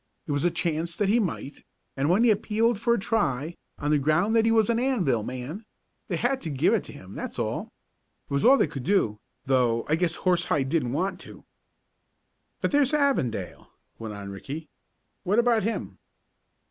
It was a chance that he might, and, when he appealed for a try, on the ground that he was an Anvil man they had to give it to him, that's all. It was all they could do, though I guess Horsehide didn't want to." "But there's Avondale," went on Ricky. "What about him?"